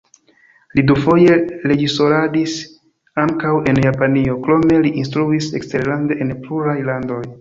Li dufoje reĝisoradis ankaŭ en Japanio, krome li instruis eksterlande en pluraj landoj.